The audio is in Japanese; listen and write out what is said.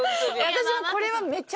私もこれは。